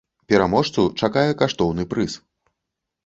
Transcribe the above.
Пераможцу чакае каштоўны прыз.